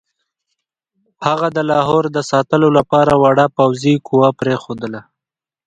هغه د لاهور د ساتلو لپاره وړه پوځي قوه پرېښودله.